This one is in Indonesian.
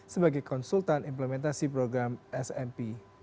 sebagai konsultan implementasi program smp